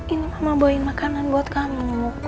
ini mama bawain makanan buat kamu